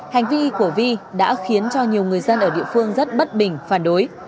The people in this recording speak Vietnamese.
hành vi của vi đã khiến cho nhiều người dân ở địa phương rất bất bình phản đối